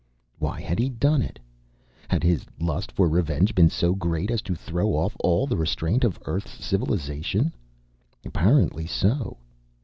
Why had he done it? Had his lust for revenge been so great as to throw off all the restraint of Earth's civilization? Apparently so.